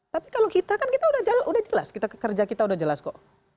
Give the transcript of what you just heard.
tapi kalau kita kan kita udah jelas kerja kita udah jelas kok